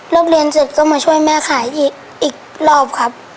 เรียนเสร็จก็มาช่วยแม่ขายอีกรอบครับ